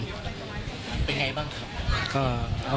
มีหายบ้างเหรอคะ